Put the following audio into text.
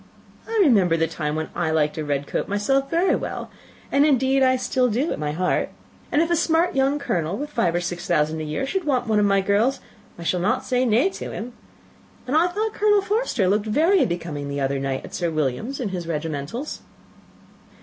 I remember the time when I liked a red coat myself very well and, indeed, so I do still at my heart; and if a smart young colonel, with five or six thousand a year, should want one of my girls, I shall not say nay to him; and I thought Colonel Forster looked very becoming the other night at Sir William's in his regimentals."